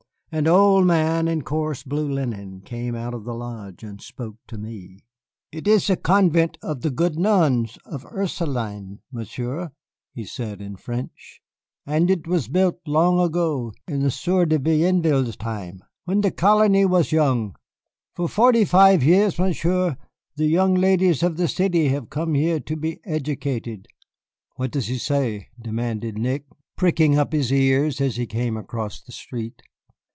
An old man in coarse blue linen came out of the lodge and spoke to me. "It is the convent of the good nuns, the Ursulines, Monsieur," he said in French, "and it was built long ago in the Sieur de Bienville's time, when the colony was young. For forty five years, Monsieur, the young ladies of the city have come here to be educated." "What does he say?" demanded Nick, pricking up his ears as he came across the street.